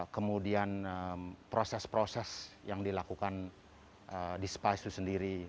kemudian proses proses yang dilakukan di spa itu sendiri